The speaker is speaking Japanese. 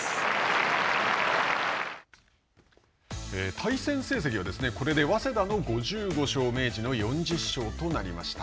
対戦成績はこれで早稲田の５５勝明治の４０勝となりました。